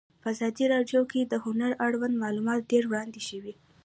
په ازادي راډیو کې د هنر اړوند معلومات ډېر وړاندې شوي.